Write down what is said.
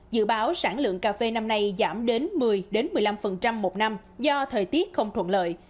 dự báo sản lượng cà phê năm nay giảm đến một mươi một mươi năm một năm do thời tiết không thuận lợi